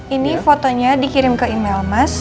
ini fotonya dikirim ke email mas